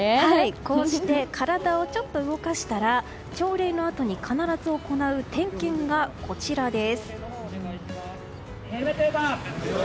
こうして体をちょっと動かしたら朝礼のあとに必ず行う点検がこちらです。